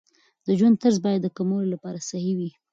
د ژوند طرز باید د کولمو لپاره صحي وي.